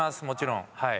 もちろん。